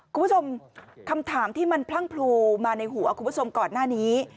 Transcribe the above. คุณผู้ชมคำถามที่มันพลั่งพลูมาในหัวคุณผู้ชมก่อนหน้านี้